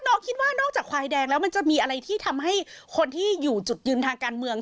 น้องคิดว่านอกจากควายแดงแล้วมันจะมีอะไรที่ทำให้คนที่อยู่จุดยืนทางการเมือง